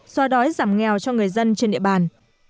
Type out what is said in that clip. xoa đói giảm nghèo cho người dân trên địa bàn